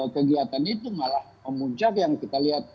kegiatan itu malah memuncak yang kita lihat